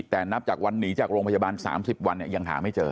แต่นับจากวันหนีจากโรงพยาบาล๓๐วันยังหาไม่เจอ